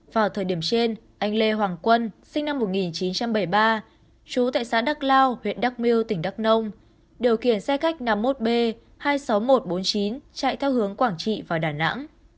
vào thời điểm trên anh lê hoàng quân sinh năm một nghìn chín trăm bảy mươi ba chú tại xã đắk lao huyện đắc miêu tỉnh đắk nông điều khiển xe khách năm mươi một b hai mươi sáu nghìn một trăm bốn mươi chín chạy theo hướng quảng trị vào đà nẵng